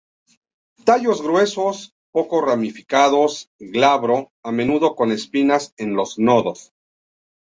Tallos gruesos, poco ramificados, glabro, a menudo con espinas en los nodos.